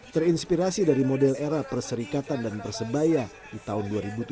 terinspirasi dari model era perserikatan dan persebaya di tahun dua ribu tujuh belas